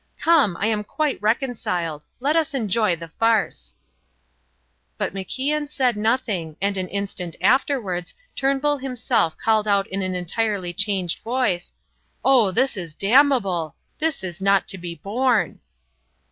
Come, I am quite reconciled let us enjoy the farce." But MacIan said nothing, and an instant afterwards Turnbull himself called out in an entirely changed voice: "Oh, this is damnable! This is not to be borne!"